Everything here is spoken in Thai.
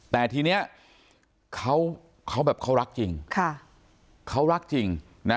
แต่ทีเนี้ยเขาเขาแบบเขารักจริงค่ะเขารักจริงนะ